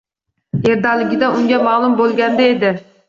— Yerdaligida unga ma’lum bo‘lganida edi